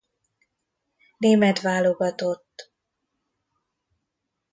Német válogatott